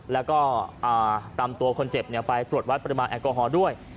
แล้วก็ตามตัวคนเจ็บไปตรวจวัดปริมาณแอลกอฮอล์ด้วย